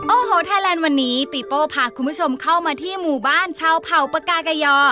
โอ้โหไทยแลนด์วันนี้ปีโป้พาคุณผู้ชมเข้ามาที่หมู่บ้านชาวเผ่าปากากยอ